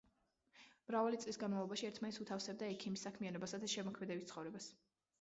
მრავალი წლის განმავლობაში ერთმანეთს უთავსებდა ექიმის საქმიანობასა და შემოქმედებით ცხოვრებას.